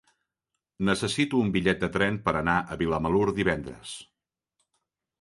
Necessito un bitllet de tren per anar a Vilamalur divendres.